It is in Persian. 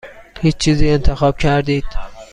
هیچ چیزی انتخاب کردید؟